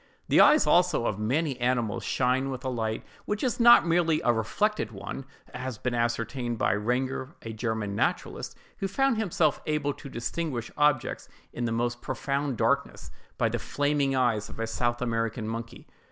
The eyes also of many animals shine with a light which is not merely a reflected one—as has been ascertained by Rengger, a German naturalist, who found himself able to distinguish objects in the most profound darkness, by the flaming eyes of a South American monkey.